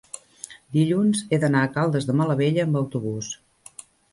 dilluns he d'anar a Caldes de Malavella amb autobús.